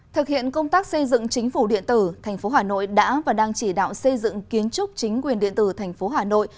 thực hiện công tác xây dựng chính phủ điện tử thành phố hà nội đã và đang chỉ đạo xây dựng kiến trúc chính quyền điện tử thành phố hà nội